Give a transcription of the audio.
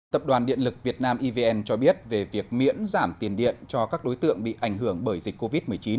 tập đoàn điện lực việt nam evn cho biết về việc miễn giảm tiền điện cho các đối tượng bị ảnh hưởng bởi dịch covid một mươi chín